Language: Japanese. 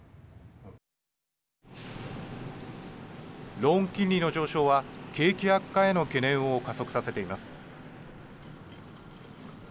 ローン金利の上昇は景気悪化への懸念を加速させています。